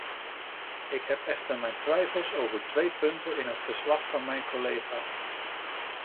Ik heb echter mijn twijfels over twee punten in het verslag van mijn collega.